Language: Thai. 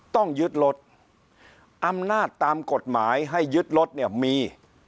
ต้องยึดรถอำนาจตามกฎหมายให้ยึดรถเนี่ยมี